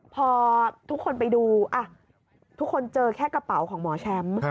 พอทุกคนไปดูทุกคนเจอแค่กระเป๋าของหมอแชมป์